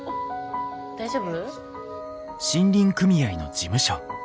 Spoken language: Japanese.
大丈夫？